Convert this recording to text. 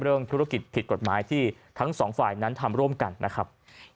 เรื่องธุรกิจผิดกฎหมายที่ทั้งสองฝ่ายนั้นทำร่วมกันนะครับ